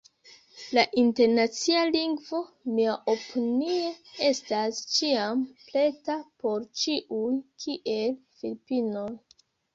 La Internacia Lingvo, miaopinie estas ĉiam preta por ĉiuj, kiel Filipinoj.